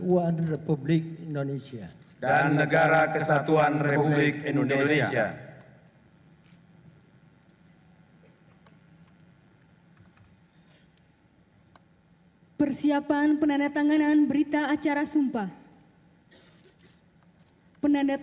akan memperjuangkan aspirasi rakyat